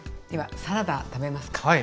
ではサラダ食べますか？